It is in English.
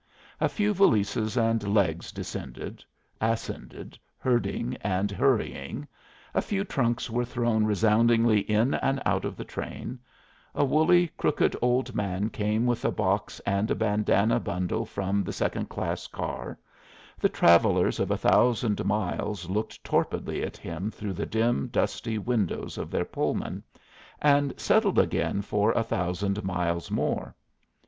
A few valises and legs descended, ascended, herding and hurrying; a few trunks were thrown resoundingly in and out of the train; a woolly, crooked old man came with a box and a bandanna bundle from the second class car; the travellers of a thousand miles looked torpidly at him through the dim, dusty windows of their Pullman, and settled again for a thousand miles more.